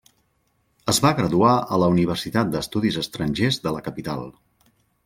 Es va graduar a la Universitat d'Estudis Estrangers de la capital.